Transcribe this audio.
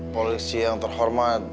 polisi yang terhormat